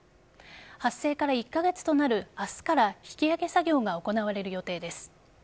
発生から１カ月となる明日から引き揚げ作業が行われる予定です。